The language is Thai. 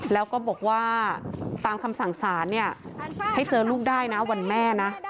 แล้วก็บอกว่าตามคำสั่งสารเนี่ยให้เจอลูกได้นะวันแม่นะ